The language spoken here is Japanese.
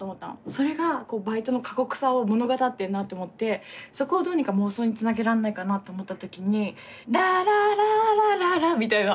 それがバイトの過酷さを物語ってんなって思ってそこをどうにか妄想につなげらんないかなと思った時に「ダラーラーラララー」みたいな。